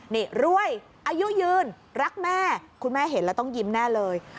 นี่รวยอายุยืนรักแม่คุณแม่เห็นแล้วต้องยิ้มแน่เลย